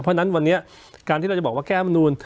เพราะฉะนั้นวันนี้การที่เราจะบอกว่าแก้มนูล